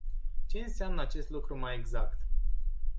Ce înseamnă acest lucru mai exact?